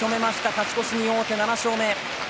勝ち越しに王手、７勝目です。